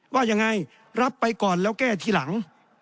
ว่ายังไงรับไปก่อนแล้วแก้ทีหลัง